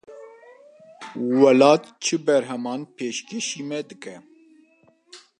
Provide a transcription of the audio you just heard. Welat çi berheman pêşkêşî me dike?